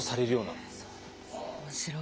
面白い。